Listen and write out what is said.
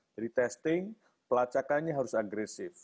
jadi testing pelacakannya harus agresif